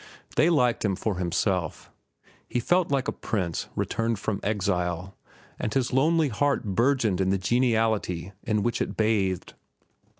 They liked him for himself. He felt like a prince returned from excile, and his lonely heart burgeoned in the geniality in which it bathed.